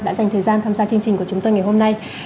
đã dành thời gian tham gia chương trình của chúng tôi ngày hôm nay